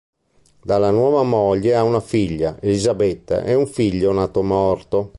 Dalla nuova moglie ha una figlia, Elisabetta, e un figlio nato morto.